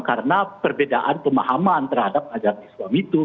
karena perbedaan pemahaman terhadap ajaran islam itu